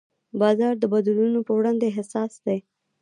بازار د بدلونونو په وړاندې حساس دی.